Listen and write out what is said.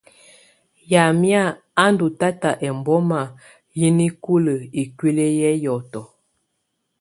Yamɛ̀á a ndù tata ɔ ɛmbɔma yɛ nikulǝ ikuili yɛ hiɔtɔ.